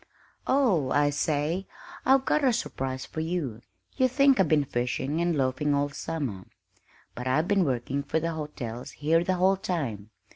Oh, I say, I've got a surprise for you. You think I've been fishing and loafing all summer, but I've been working for the hotels here the whole time.